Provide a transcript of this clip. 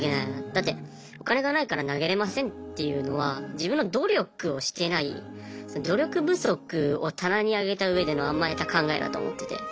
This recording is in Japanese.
だってお金がないから投げれませんっていうのは自分の努力をしてない努力不足を棚に上げたうえでの甘えた考えだと思ってて。